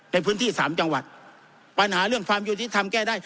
ในพื้นที่สามจังหวัดปัญหาเรื่องความยุติธรรมแก้ได้